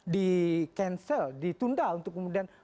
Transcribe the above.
di cancel ditunda untuk kemudian